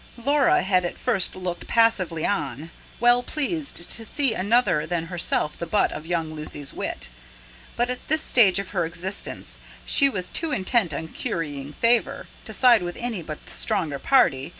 Laura had at first looked passively on, well pleased to see another than herself the butt of young Lucy's wit. But at this stage of her existence she was too intent on currying favour, to side with any but the stronger party.